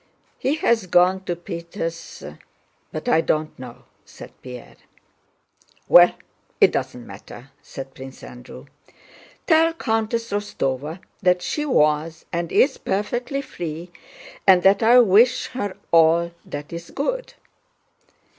"He has gone to Peters... But I don't know," said Pierre. "Well, it doesn't matter," said Prince Andrew. "Tell Countess Rostóva that she was and is perfectly free and that I wish her all that is good."